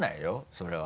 それは。